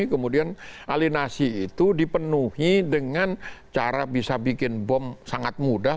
kemudian alinasi itu dipenuhi dengan cara bisa bikin bom sangat mudah